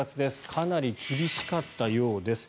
かなり厳しかったようです。